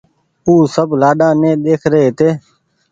او سب لآڏآ ني ۮيک رهي هيتي